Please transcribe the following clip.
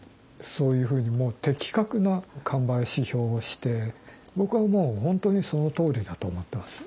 そういうふうにもう的確な神林評をして僕はもう本当にそのとおりだと思っています。